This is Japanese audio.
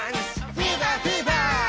フィーバーフィーバー。